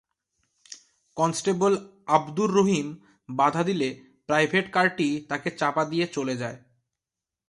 Constable Abdur Rahim বাধা দিলে private কারটি তাঁকে চাপা দিয়ে চলে যায়।